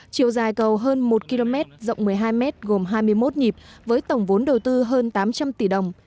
chiều dài cầu hơn một km rộng một mươi hai m gồm hai mươi một nhịp với tổng vốn đầu tư hơn tám trăm linh tỷ đồng